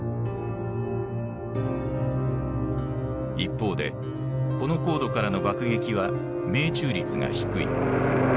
一方でこの高度からの爆撃は命中率が低い。